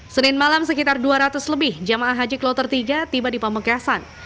senin malam sekitar dua ratus lebih jemaah haji kloter tiga tiba di pamekasan